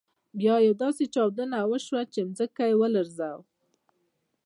بیا یوه داسې چاودنه وشول چې ځمکه يې ولړزول.